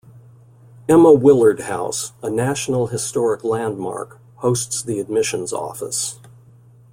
Emma Willard House, a National Historic Landmark, hosts the admissions office.